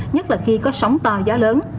nhất là khi có sóng to gió lớn